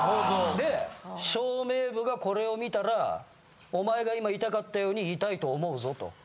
で照明部がこれを見たらお前が今痛かったように痛いと思うぞと。